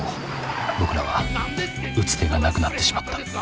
僕らは打つ手がなくなってしまった。